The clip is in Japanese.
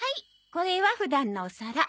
これは普段のお皿。